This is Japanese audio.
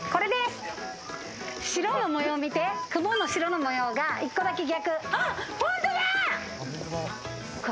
白の模様を見て、雲の白の模様が１個だけ逆。